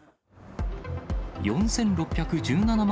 ４６１７万